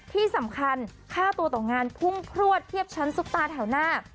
ที่สำคัญค่าตัวต่องานพุ่งพลวดเทียบชั้นซุปตาแถวหน้า